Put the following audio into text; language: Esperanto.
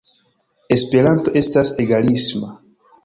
Esperanto estas egalisma.